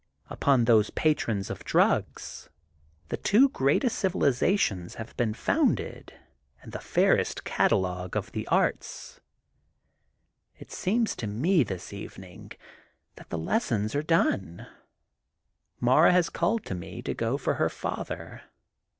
Upon those patrons of drugs, the two greatest civilizations have been founded and the fairest catalogue of the arts. It seems to me this evening, that the lessons are done. Mara has called to me to go for her father.